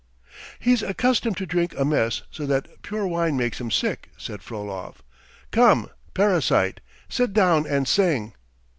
"He's accustomed to drink a mess so that pure wine makes him sick," said Frolov. "Come, parasite, sit down and sing."